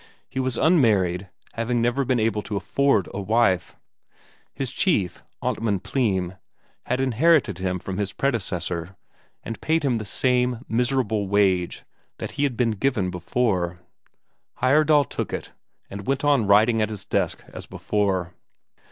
He was unmarried, having never been able to afford a wife. His chief, Amtmand Pleym, had inherited him from his predecessor, and paid him the same miserable wage that had been given before; Heyerdahl took it, and went on writing at his desk as before.